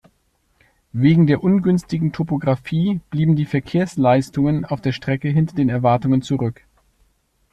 Wegen der ungünstigen Topografie blieben die Verkehrsleistungen auf der Strecke hinter den Erwartungen zurück.